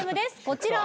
こちら。